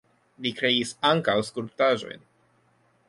Li kreis ankaŭ skulptaĵojn.